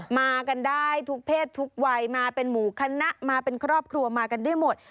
มากันได้ทุกเพศทุกวัยมาเป็นหมู่คณะมาเป็นครอบครัวมากันได้หมด